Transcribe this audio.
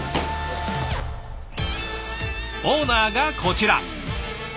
オーナーがこちら。